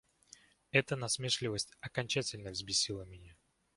Эта насмешливость окончательно взбесила меня.